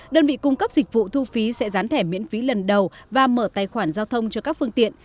đơn vị cung cấp dịch vụ thu phí sẽ rán thẻ miễn phí lần đầu và mở tài khoản giao thông cho các phương tiện